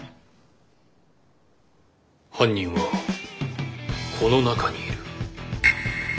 犯人はこの中にいる。